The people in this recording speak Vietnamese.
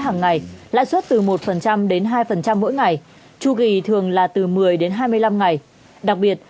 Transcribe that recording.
hàng ngày lãi suất từ một đến hai mỗi ngày chu kỳ thường là từ một mươi đến hai mươi năm ngày đặc biệt